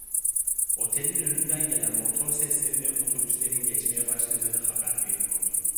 Otelin önünden gelen motor sesleri otobüslerin geçmeye başladığını haber veriyordu.